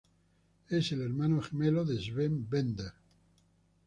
Es el hermano gemelo de Sven Bender.